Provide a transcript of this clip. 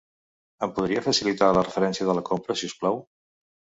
Em podria facilitar la referència de la compra, si us plau?